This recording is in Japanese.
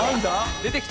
出てきた。